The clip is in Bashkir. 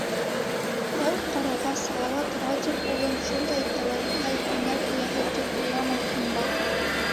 Тәү ҡарауға Салауат Радик улын шундай тәүәккәл һөнәр эйәһе тип уйламаҫһың да.